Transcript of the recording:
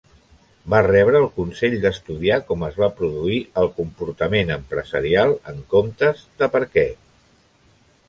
Va rebre el consell d'estudiar com es va produir el comportament empresarial en comptes de per què.